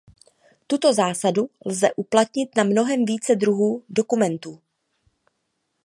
Tuto zásadu lze uplatnit na mnohem více druhů dokumentů.